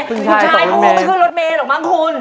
คุณชายพูดว่าไม่คือรถเมย์หรอกมั้งคุณ